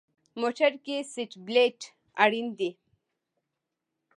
موټر کې سیټ بیلټ اړین دی.